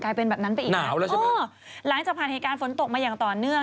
เป็นแบบนั้นไปอีกแล้วใช่ไหมหลังจากผ่านเหตุการณ์ฝนตกมาอย่างต่อเนื่อง